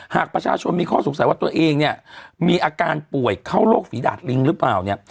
หากประชาชนมีข้อสงสัยว่าตัวเองเนี่ยมีอาการป่วยเข้าโรคฝีดาดลิงหรือเปล่าเนี่ย